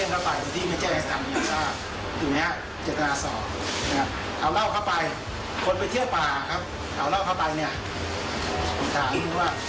พอไปเที่ยวป่าครับเขาเล่าเข้าไปเนี่ย